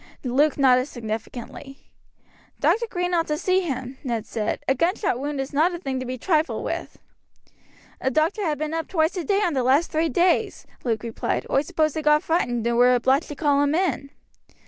Luke nodded significantly. "Dr. Green ought to see him," Ned said. "A gunshot wound is not a thing to be trifled with." "The doctor ha' been up twice a day on the last three e days," Luke replied. "Oi suppose they got frighted and were obliged to call him in."